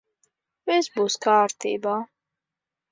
Viss būs kārtībā.